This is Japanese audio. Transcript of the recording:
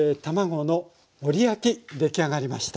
出来上がりました。